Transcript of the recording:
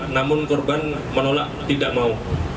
namun korban menolak tidak mau